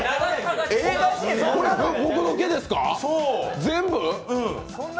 これ僕の毛ですか、全部？